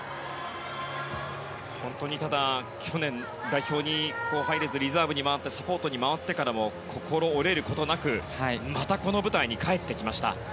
本当に去年、代表に入れずリザーブに回ってサポートに回ってからも心折れることなくまたこの舞台に帰ってきました。